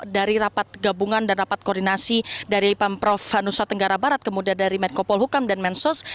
dapat gabungan dan dapat koordinasi dari pemprov nusa tenggara barat kemudian dari medkopol hukam dan mensos